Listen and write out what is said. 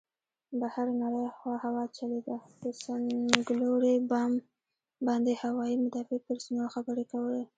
بهر نرۍ هوا چلېده، پر څنګلوري بام باندې هوايي مدافع پرسونل خبرې کولې.